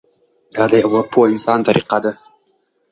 دا د یوه پوه انسان طریقه ده.